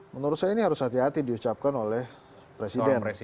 menurut saya ini harus hati hati diucapkan oleh presiden